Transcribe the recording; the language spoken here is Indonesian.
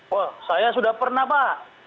wah saya sudah pernah pak